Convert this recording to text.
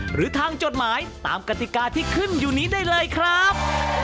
หรือทางจดหมายตามกติกาที่ขึ้นอยู่นี้ได้เลยครับ